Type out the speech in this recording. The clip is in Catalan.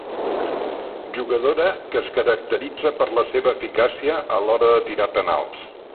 Jugadora que es caracteritza per la seva eficàcia a l'hora de tirar penals.